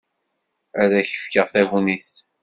Ad k-fkeɣ tagnit.